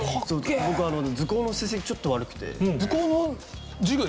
僕図工の成績ちょっと悪くて。